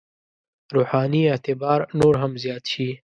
روحاني اعتبار نور هم زیات شي.